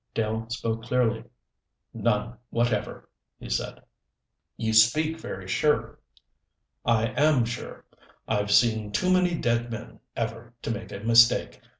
Dell spoke clearly. "None whatever," he said. "You speak very sure." "I am sure. I've seen too many dead men ever to make a mistake.